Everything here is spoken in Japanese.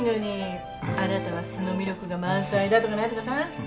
あなたは素の魅力が満載だとか何とかさ。